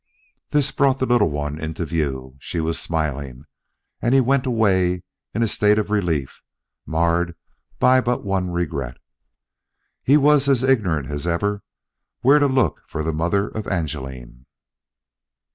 This brought the little one into his view. She was smiling, and he went away in a state of relief marred by but one regret: He was as ignorant as ever where to look for the mother of Angeline.